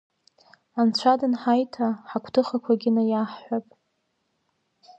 Анцәа дынҳаиҭа, ҳагәҭыхақәагьы наиаҳҳәап.